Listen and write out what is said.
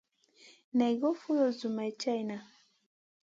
Naï goy foulou zoumay tchaïna.